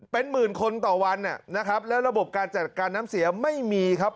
เป็นหมื่นคนต่อวันนะครับแล้วระบบการจัดการน้ำเสียไม่มีครับ